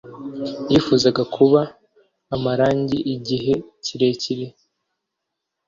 Nifuzaga kuba amarangi igihe kirekire.